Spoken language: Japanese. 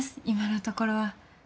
今のところは。